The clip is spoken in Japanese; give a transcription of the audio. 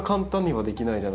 はい。